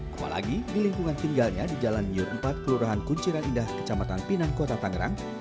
apalagi di lingkungan tinggalnya di jalan nyur empat kelurahan kunciran indah kecamatan pinang kota tangerang